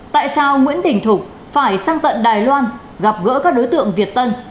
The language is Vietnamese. tại sao nguyễn tỉnh thủy phải sang tận đài loan gặp gỡ các đối tượng việt tân